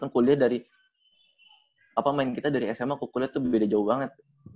kan kuliah dari apa main kita dari sma ke kuliah tuh beda jauh banget